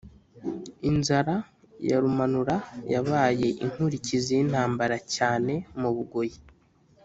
inzara ya rumanura yabaye inkurikizi y'intambara cyane mu bugoyi